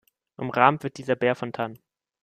Umrahmt wird dieser Bär von Tannen.